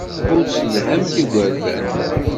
Ur tessedhamt igerdan.